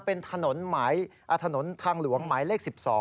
เป็นถนนทางหลวงหมายเลข๑๒